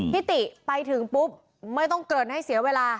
ติไปถึงปุ๊บไม่ต้องเกริ่นให้เสียเวลา